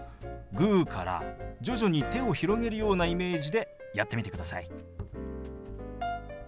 グーから徐々に手を広げるようなイメージでやってみてください。